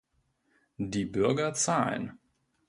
Die Bürger zahlen.